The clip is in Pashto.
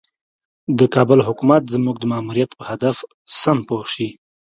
د کابل حکومت زموږ د ماموریت په هدف سم پوه شي.